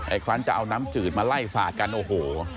อีกครั้งจะเอาน้ำจืดมาไล่สาดกันโอ้โห